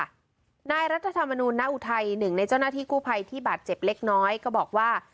นายรัฐธรรมนูลณอุทัยหนึ่งในเจ้าหน้าที่กู้ภัยที่บาดเจ็บเล็กน้อยก็บอกว่า